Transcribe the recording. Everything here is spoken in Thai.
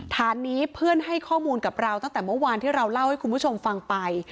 ฐานนี้เพื่อนให้ข้อมูลกับเราตั้งแต่เมื่อวานที่เราเล่าให้คุณผู้ชมฟังไป